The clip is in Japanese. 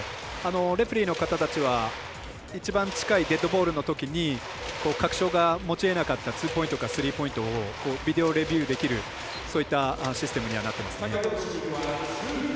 レフェリーの方たちは一番近いデッドボールのときに確証が持ちえなかったツーポイントかスリーポイントかビデオレビューできるそういったシステムになってます。